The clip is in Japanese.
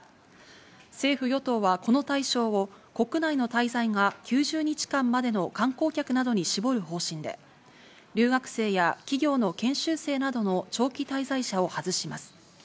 政府・与党はこの対象を国内の滞在が９０日間までの観光客などに絞る方針で、留学生や企業の研修生などの長期滞在者を外します。